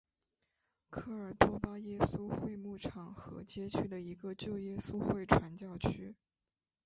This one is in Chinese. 科尔多巴耶稣会牧场和街区的一个旧耶稣会传教区。